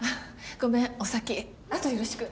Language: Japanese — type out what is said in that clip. ごめんお先後よろしく。